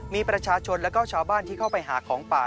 มีประชาชนแล้วก็ชาวบ้านที่เข้าไปหาของป่า